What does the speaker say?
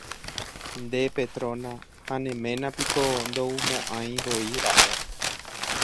nde Petrona, ha ne ména piko ndoumo'ãivoira'e